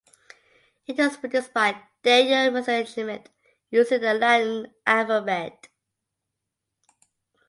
It was produced by Daniel Messerschmidt using the Latin alphabet.